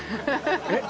えっ